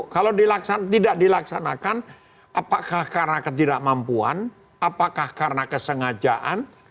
kalau tidak dilaksanakan apakah karena ketidakmampuan apakah karena kesengajaan